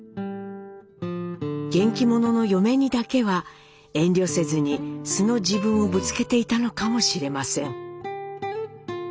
元気者の嫁にだけは遠慮せずに素の自分をぶつけていたのかもしれません。